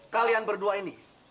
kalian berdua ini